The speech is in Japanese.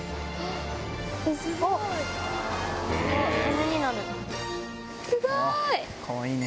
すごい！と！